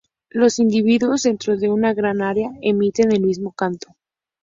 Los individuos dentro de una gran área emiten el mismo canto.